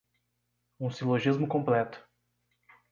um silogismo completo